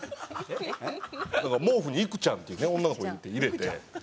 毛布にいくちゃんっていうね女の子を入れて。